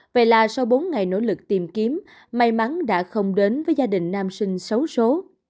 vậy là sau bốn ngày nỗ lực tìm kiếm may mắn đã không đến với gia đình nam sinh xấu xố